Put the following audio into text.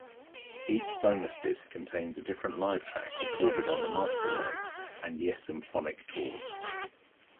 Each bonus disc contains different live tracks recorded on the Masterworks and Yessymphonic Tours.